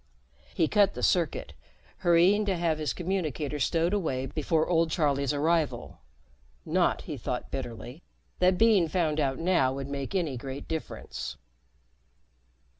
He cut the circuit, hurrying to have his communicator stowed away before old Charlie's arrival not, he thought bitterly, that being found out now would make any great difference.